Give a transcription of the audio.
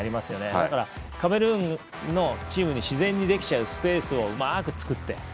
だから、カメルーンのチームに自然にできちゃうスペースをうまく作って。